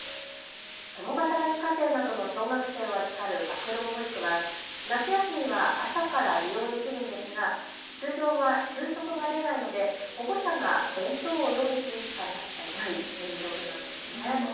共働き家庭などの小学生を預かる学童保育は夏休みは朝から利用できるんですが通常は昼食が出ないので保護者が弁当を用意するしかないという状況なんですよね。